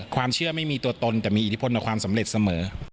ความเชื่อไม่มีตัวตนแต่มีอิทธิพลต่อความสำเร็จเสมอ